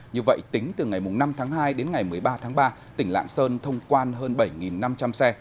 như vậy tính từ ngày năm tháng hai đến ngày một mươi ba tháng ba tỉnh lạng sơn thông quan hơn bảy năm trăm linh xe